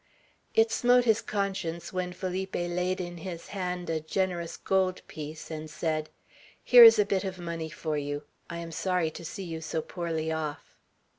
It smote his conscience when Felipe laid in his hand a generous gold piece, and said, "Here is a bit of money for you. I am sorry to see you so poorly off."